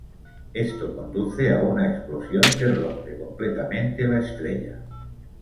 Esto conduce a una explosión que rompe completamente la estrella.